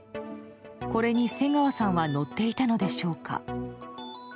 これに瀬川さんは乗っていたのでしょうか。